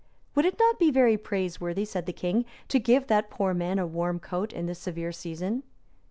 "Would it not be very praiseworthy," said the king, "to give that poor man a warm coat in this severe season?"